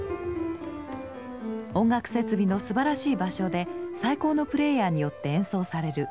音楽設備のすばらしい場所で最高のプレーヤーによって演奏される。